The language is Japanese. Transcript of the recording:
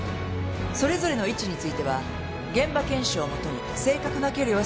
それぞれの位置については現場検証をもとに正確な距離を再現しています。